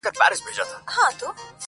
• ريشا زموږ د عاشقۍ خبره ورانه سوله,